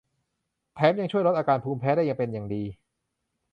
แถมยังช่วยลดอาการภูมิแพ้ได้เป็นอย่างดี